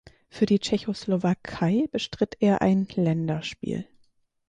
Für die Tschechoslowakei bestritt er ein Länderspiel.